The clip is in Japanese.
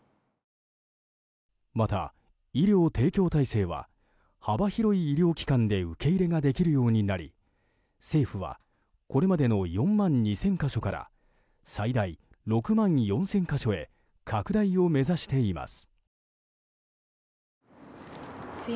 また、医療提供体制は幅広い医療機関で受け入れができるようになり政府は、これまでの４万２０００か所から最大６万４０００か所へ拡大を目指しています。